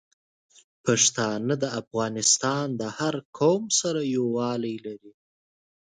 پښتانه د افغانستان د هر قوم سره یوالی لري.